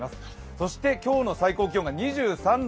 そして今日の最高気温が２３度。